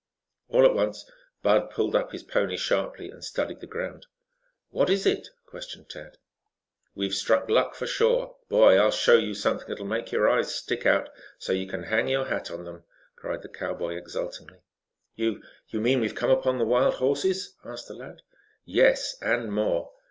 All at once Bud pulled up his pony sharply and studied the ground. "What is it?" questioned Tad. "We've struck luck for sure. Boy, I'll show you something that'll make your eyes stick out so you can hang your hat on them," cried the cowboy exultingly. "You you mean we have come upon the wild horses?" asked the lad. "Yes, and more.